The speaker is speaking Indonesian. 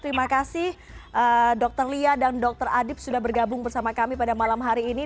terima kasih dr lia dan dr adib sudah bergabung bersama kami pada malam hari ini